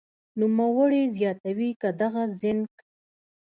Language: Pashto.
نوموړې زیاتوي که دغه زېنک